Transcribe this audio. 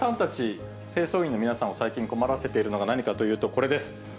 それと滝沢さんたち清掃員の皆さんを最近困らせているのが何かというとこれです。